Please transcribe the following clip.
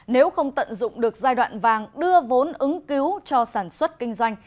nếu không tận dụng được giai đoạn vàng đưa vốn ứng cứu cho sản xuất kinh doanh